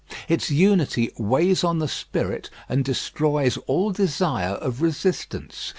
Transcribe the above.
Its unity weighs on the spirit and destroys all desire of resistance.